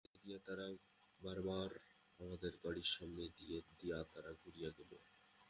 বার বার আমাদের গাড়ির সামনে দিয়া তারা ঘুরিয়া গেল।